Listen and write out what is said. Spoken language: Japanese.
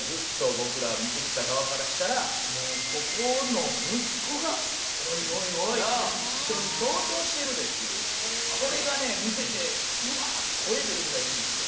ずっと僕ら見てきた側からしたらもうここの息子がおいおいおいって一緒に共闘してるでっていうへえそれがね見てて「うわー」って声出るぐらいいいんですよ